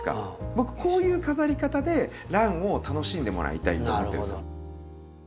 僕こういう飾り方でランを楽しんでもらいたいなと。なるほど。